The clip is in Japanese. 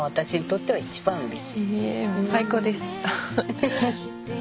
最高でした！